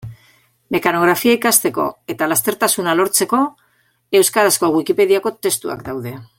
Mekanografia ikasteko eta lastertasuna lortzeko euskarazko Wikipediako testuak daude.